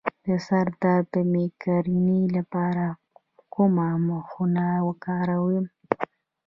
د سر درد د میګرین لپاره کومه خونه وکاروم؟